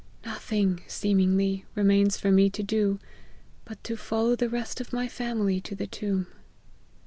Nothing, seemingly, remains for me to do, but to follow the rest of my family to the tomb."